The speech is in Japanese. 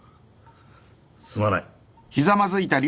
すまない。